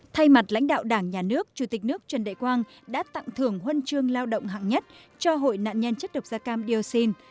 thay mặt lãnh đạo đảng nhà nước chủ tịch nước trần đại quang đã tặng thưởng huân chương lao động hạng nhất cho hội nạn nhân chất độc da cam dioxin